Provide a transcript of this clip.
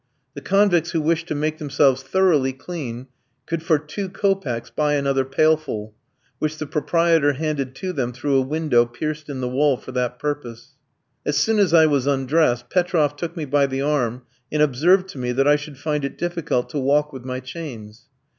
The convicts who wished to make themselves thoroughly clean, could for two kopecks buy another pailful, which the proprietor handed to them through a window pierced in the wall for that purpose. As soon as I was undressed, Petroff took me by the arm and observed to me that I should find it difficult to walk with my chains.